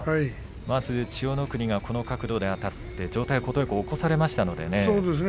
まず千代の国がこの角度であたって上体よく起こされましたね。